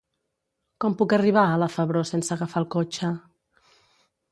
Com puc arribar a la Febró sense agafar el cotxe?